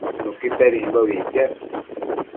Nuquitedimbobi ictiad